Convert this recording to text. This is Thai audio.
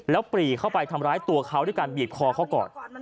แล้วปรีเข้าไปทำร้ายตัวเขาด้วยการบีบคอเขาก่อน